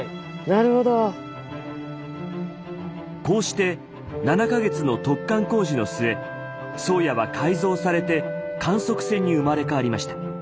こうして７か月の突貫工事の末「宗谷」は改造されて観測船に生まれ変わりました。